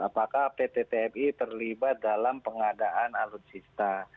apakah pt tmi terlibat dalam pengadaan alutsista